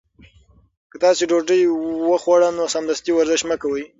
که تاسي ډوډۍ وخوړه نو سمدستي ورزش مه کوئ.